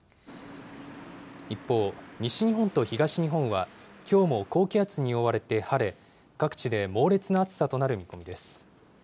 一方、西日本と東日本は、きょうも高気圧に覆われて晴れ、各地で猛烈な暑さとなる見込みです。